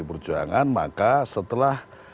perjuangan maka setelah